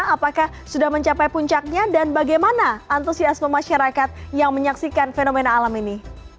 apakah sudah mencapai puncaknya dan bagaimana antusiasme masyarakat yang menyaksikan fenomena alam ini